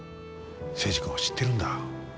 征二君を知ってるんだ。